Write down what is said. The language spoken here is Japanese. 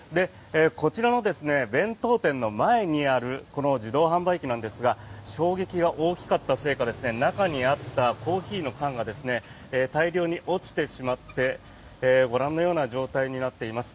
こちらの弁当店の前にある自動販売機なんですが衝撃が大きかったせいか中にあったコーヒーの缶が大量に落ちてしまってご覧のような状態になっています。